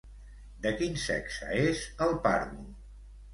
De quin sexe és el pàrvul?